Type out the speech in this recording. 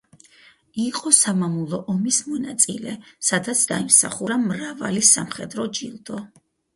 იყო სამამულო ომის მონაწილე, სადაც დაიმსახურა მრავალი სამხედრო ჯილდო.